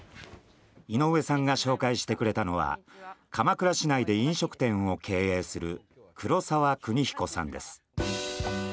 井上さんが紹介してくれたのは鎌倉市内で飲食店を経営する黒澤邦彦さんです。